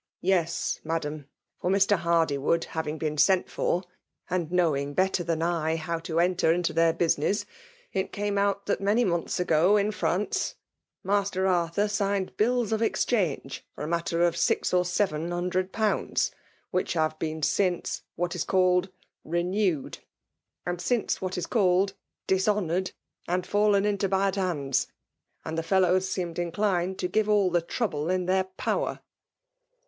Yes, Madam; for, Mr. Hardywood having been sent for, and knowing better than I how to enter into their business^ it came out, that, many months ago, in France^ Master Arthur signed bills of exchange for a matter of six or seven hundred pounds, which have been siace what is called renewed, and since what is eaUed dishoaoared, and fidlen into had hands; and the lellows seem inclined to give afl the trouble in their power.